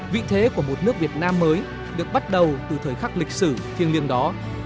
vị thế của một nước việt nam mới được bắt đầu từ thời khắc lịch sử thiêng liêng đó